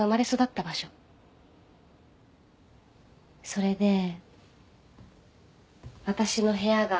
それで私の部屋が。